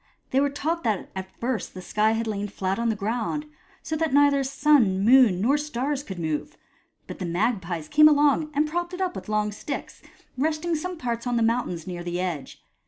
They were taught that at first the sky had lain fiat on the ground, so that neither sun, moon, nor stars could move, but the magpies came along and propped it up with long sticks, resting some parts on the mountains near the edge.